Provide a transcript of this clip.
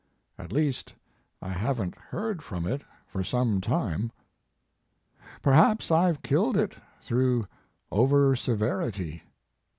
At least I haven t heard from it for some time. Perhaps I ve killed it through over severity.